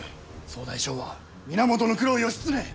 総大将は源九郎義経。